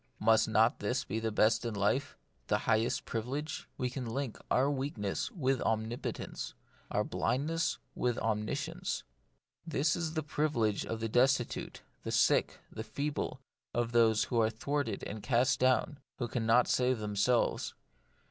Must not this be the best in life, the highest privilege ? We link our weak ness with omnipotence ; our blindness with omniscience. This is the privilege of the destitute, the sick, the feeble, of those who are thwarted and cast down, who cannot save themselves.